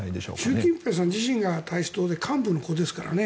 習近平さん自身が太子党で幹部の子ですからね。